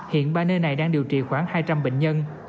hiện ba nơi này đang điều trị khoảng hai trăm linh bệnh nhân